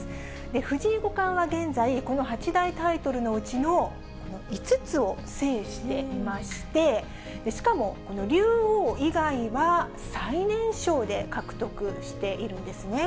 藤井五冠は現在、この八大タイトルのうちの５つを制していまして、しかもこの竜王以外は、最年少で獲得しているんですね。